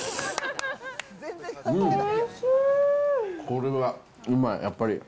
これはうまい、やっぱり。